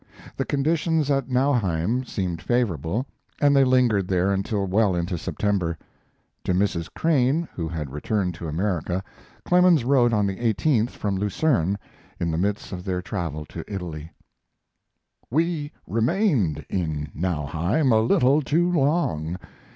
The conditions at Nauheim seemed favorable, and they lingered there until well into September. To Mrs. Crane, who had returned to America, Clemens wrote on the 18th, from Lucerne, in the midst of their travel to Italy: We remained in Nauheim a little too long.